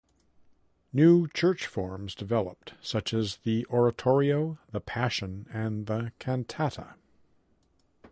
New church forms developed such as the oratorio, the passion, and the cantata.